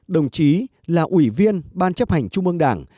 đồng chí là ủy viên ban chấp hành trung ương đảng